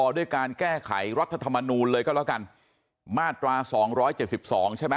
ด้วยการแก้ไขรัฐธรรมนูลเลยก็แล้วกันมาตราสองร้อยเจกสิบสองใช่ไหม